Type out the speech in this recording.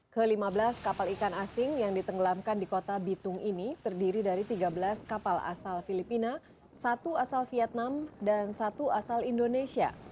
ke lima belas kapal ikan asing yang ditenggelamkan di kota bitung ini terdiri dari tiga belas kapal asal filipina satu asal vietnam dan satu asal indonesia